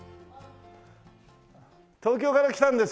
東京から来たんですけど。